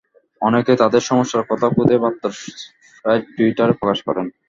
অনেকেই তাঁদের সমস্যার কথা খুদে বার্তার সাইট টুইটারে প্রকাশ করেন।